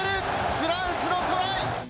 フランスのトライ！